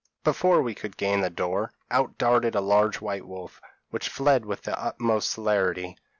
Before we could gain the door, out darted a large white wolf, which fled with the utmost celerity.